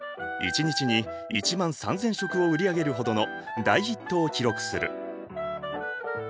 一日に１万３，０００食を売り上げるほどの大ヒットを記録する。